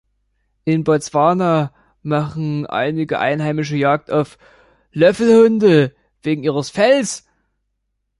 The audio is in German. In Botswana machen einige Einheimische Jagd auf Löffelhunde wegen ihres Fells.